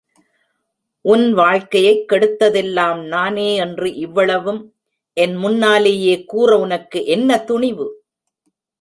உன் வாழ்க்கையைக் கெடுத்ததெல்லாம் நானே என்று இவ்வளவும் என் முன்னாலேயே கூற உனக்கு என்ன துணிவு?